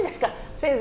先生